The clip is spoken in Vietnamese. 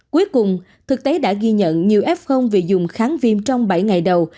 cuối cùng thực tế đã ghi nhận nhiều f vì dùng kháng viêm trong bảy ngày đầu